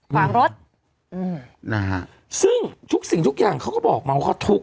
ขวางรถอืมนะฮะซึ่งทุกสิ่งทุกอย่างเขาก็บอกมาว่าเขาทุกข์